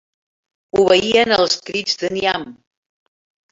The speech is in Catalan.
Obeïen els crits de Niamh.